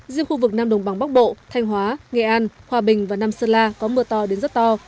riêng khu vực nam đồng bằng bắc bộ thanh hóa nghệ an hòa bình và nam sơn la có mưa to đến rất to